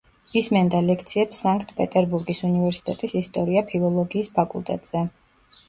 ისმენდა ლექციებს სანქტ-პეტერბურგის უნივერსიტეტის ისტორია-ფილოლოგიის ფაკულტეტზე.